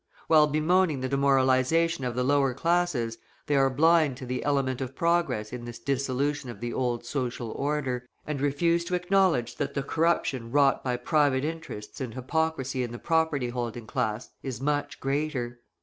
While bemoaning the demoralisation of the lower classes, they are blind to the element of progress in this dissolution of the old social order, and refuse to acknowledge that the corruption wrought by private interests and hypocrisy in the property holding class is much greater.